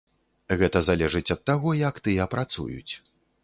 Гэта залежыць ад таго, як тыя працуюць.